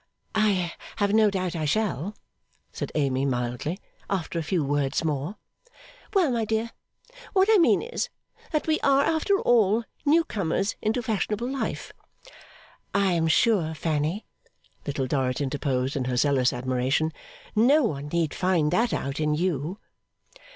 'I have no doubt I shall,' said Amy, mildly, 'after a few words more.' 'Well, my dear, what I mean is, that we are, after all, newcomers into fashionable life.' 'I am sure, Fanny,' Little Dorrit interposed in her zealous admiration, 'no one need find that out in you.